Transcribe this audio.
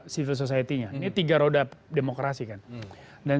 negara ini tiga roda demokrasi kan dan